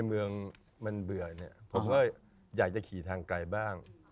บางน่าเบื่อเพราะว่าอยากเขี่ยวทางไกลบ้าง